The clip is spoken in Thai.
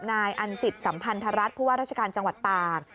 นายอันศิษย์สัมพันธรัฐผู้ว่าราชการจังหวัดตาก